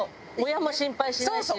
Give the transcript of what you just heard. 親も心配しないし。